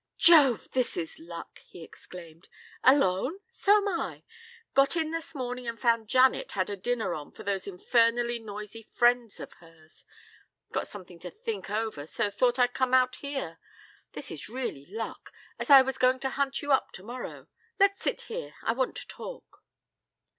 "Jove, this is luck!" he exclaimed. "Alone? So am I. Got in this morning and found Janet had a dinner on for those infernally noisy friends of hers. Got something to think over, so thought I'd come out here. This is really luck as I was going to hunt you up tomorrow. Let's sit here. I want to talk."